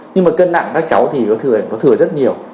nhưng mà cân nặng các cháu thì nó thừa rất nhiều